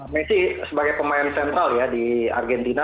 messi sebagai pemain sentral ya di argentina